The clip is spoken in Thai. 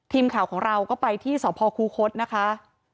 ทีมข่าวของเราก็ไปที่สพคูคศนะคะ